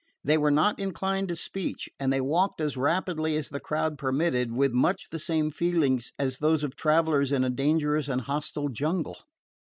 They were not inclined to speech, and they walked as rapidly as the crowd permitted, with much the same feelings as those of travelers in a dangerous and hostile jungle.